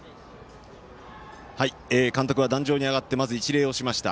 監督は壇上に上がってまず一礼しました。